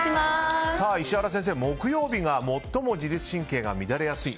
石原先生、木曜日が最も自律神経が乱れやすい